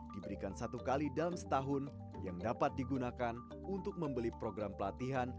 diberikan satu kali dalam setahun yang dapat digunakan untuk membeli program pelatihan